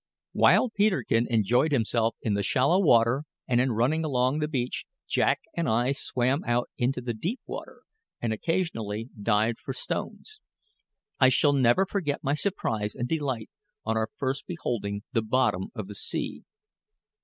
While Peterkin enjoyed himself in the shallow water and in running along the beach, Jack and I swam out into the deep water and occasionally dived for stones. I shall never forget my surprise and delight on first beholding the bottom of the sea.